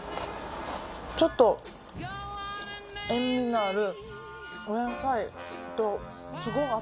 ちょっと塩味のあるお野菜とすごい合ってますね。